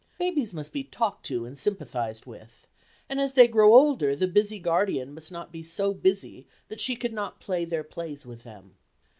Babies must be talked to and sympathised with, and as they grow older the busy guardian must not be so busy that she cannot play their plays with them.